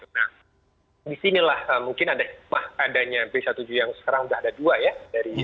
nah disinilah mungkin ada hikmah adanya b satu tujuh yang sekarang sudah ada dua ya